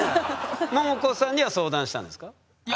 ももこさんには相談したんですか？